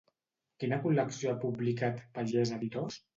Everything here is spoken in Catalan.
Quina col·lecció ha publicat Pagès Editors?